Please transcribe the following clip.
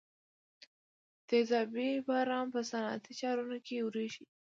تیزابي باران په صنعتي ښارونو کې اوریږي.